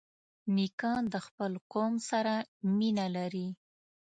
نیکه د خپل قوم سره مینه لري.